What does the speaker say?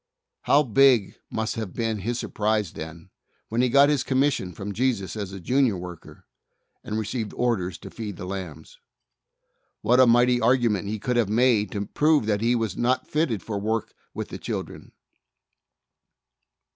How big must have been his surprise then when he got his commission from Jesus as a Junior worker, and received orders to feed the lambs ! What a mighty argument he could have made to prove that he was not fitted for work with the children!